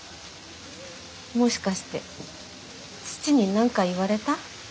もしかして父に何か言われた？